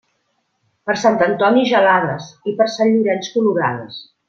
Per Sant Antoni gelades, i per sant Llorenç colorades.